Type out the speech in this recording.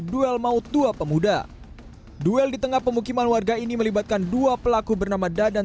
duel maut dua pemuda duel di tengah pemukiman warga ini melibatkan dua pelaku bernama dadan